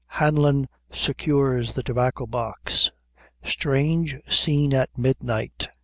Hanlon Secures the Tobacco box. Strange Scene at Midnight.